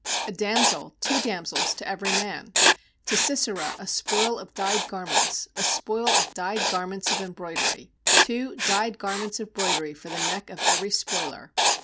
A damsel, two damsels to every man; To Sisera a spoil of dyed garments, A spoil of dyed garments of em broidery, Two dyed garments of broidery for the neck of every spoiler?'